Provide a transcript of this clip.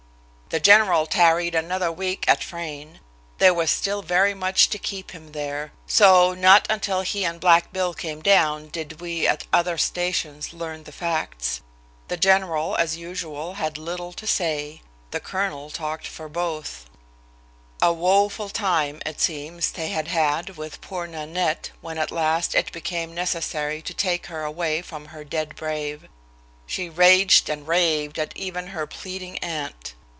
The general tarried another week at Frayne. There was still very much to keep him there; so, not until he and "Black Bill" came down did we at other stations learn the facts. The general, as usual, had little to say. The colonel talked for both. A woful time, it seems, they had had with poor Nanette when at last it became necessary to take her away from her dead brave. She raged and raved at even her pleading aunt.